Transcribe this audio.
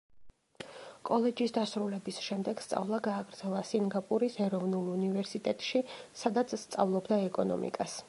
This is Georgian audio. კოლეჯის დასრულების შემდეგ სწავლა გააგრძელა სინგაპურის ეროვნულ უნივერსიტეტში, სადაც სწავლობდა ეკონომიკას.